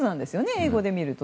英語で見ると。